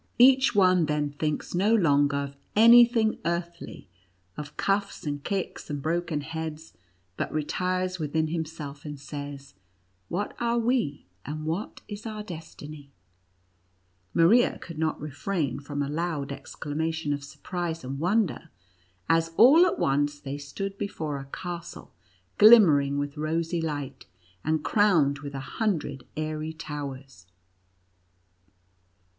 Each one then thinks no longer of any thing earthly — of cuffs, and kicks, and broken heads, but retires within himself, and says : i What are we, and what is our destiny V " Maria could not refrain from a loud exclama tion of surprise and wonder, as all at once they stood before a castle glimmering with rosy light, and crowned with a hundred airy towers.